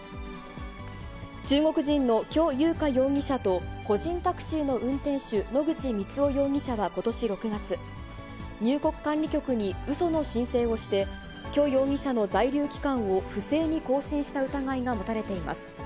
中国人の許融華容疑者と、個人タクシーの運転手、野口三男容疑者はことし６月、入国管理局に、うその申請をして、許容疑者の在留期間を不正に更新した疑いが持たれています。